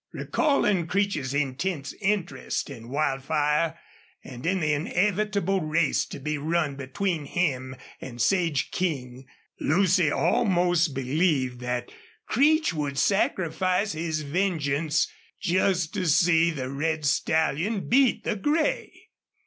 Recalling Creech's intense interest in Wildfire and in the inevitable race to be run between him and Sage King, Lucy almost believed that Creech would sacrifice his vengeance just to see the red stallion beat the gray.